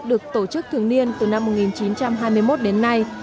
được tổ chức thường niên từ năm một nghìn chín trăm hai mươi một đến nay